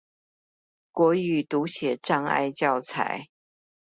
國語讀寫障礙教材